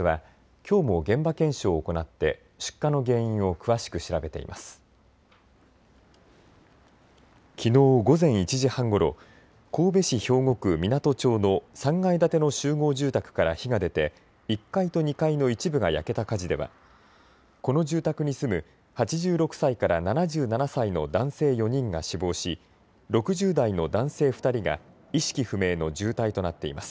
きのう午前１時半ごろ、神戸市兵庫区湊町の３階建ての集合住宅から火が出て１階と２階の一部が焼けた火事ではこの住宅に住む８６歳から７７歳の男性４人が死亡し６０代の男性２人が意識不明の重体となっています。